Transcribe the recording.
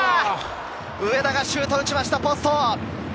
上田がシュートを打ちました、ポスト。